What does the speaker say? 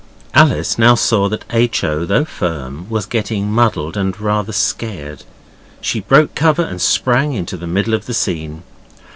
Alice now saw that H. O., though firm, was getting muddled and rather scared. She broke cover and sprang into the middle of the scene.